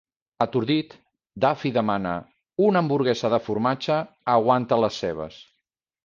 Atordit, Daffy demana "Una hamburguesa de formatge, aguanta les cebes".